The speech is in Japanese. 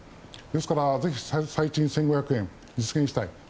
ですから、ぜひ最賃１５００円を実現したい。